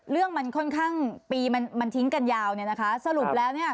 เรื่องมันค่อนข้างปีมันมันทิ้งกันยาวเนี่ยนะคะสรุปแล้วเนี่ย